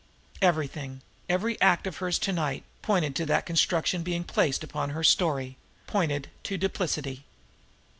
Everything, every act of hers to night, pointed to that construction being placed upon her story, pointed to duplicity.